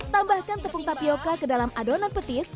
tambahkan tepung tapioca ke dalam adonan petis